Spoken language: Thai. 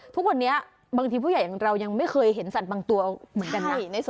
ทุกวันนี้บางทีผู้ใหญ่อย่างเรายังไม่เคยเห็นสัตว์บางตัวเหมือนกันนะ